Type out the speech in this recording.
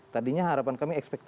tadinya harapan kami eksplosif